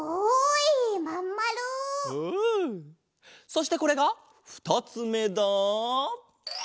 そしてこれがふたつめだ！